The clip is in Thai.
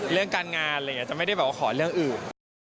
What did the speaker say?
เรื่องการงานอะไรอย่างนี้จะไม่ได้แบบว่าขอเรื่องอื่น